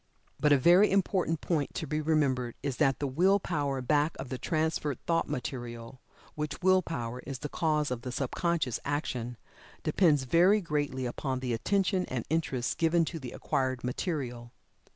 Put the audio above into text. But a very important point to be remembered is that the Will power back of the transferred thought material, which Will power is the cause of the subconscious action, depends very greatly upon the attention and interest given to the acquired material.